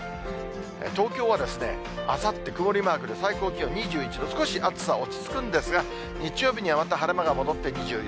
東京はあさって曇りマークで最高気温２１度、少し暑さ落ち着くんですが、日曜日にはまた晴れ間が戻って２４度。